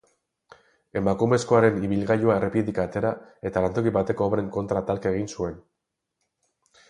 Emakumezkoaren ibilgailua errepidetik atera eta lantoki bateko obren kontra talka egin zuen.